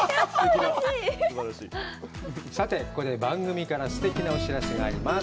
うれしいさてここで番組からすてきなお知らせがあります